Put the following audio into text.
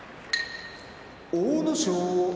阿武咲